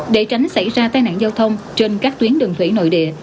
để tránh xảy ra tai nạn giao thông trên các tuyến đường thủy nội địa